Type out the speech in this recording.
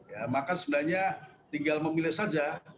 ya maka sebenarnya tinggal memilih saja